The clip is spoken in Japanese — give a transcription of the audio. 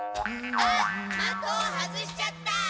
あっまとを外しちゃった。